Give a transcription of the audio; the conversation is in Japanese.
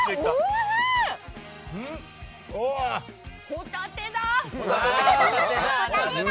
ホタテだ！